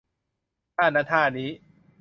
ท่านั้นท่านี้